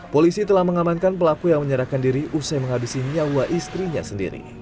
polisi telah mengamankan pelaku yang menyerahkan diri usai menghabisi nyawa istrinya sendiri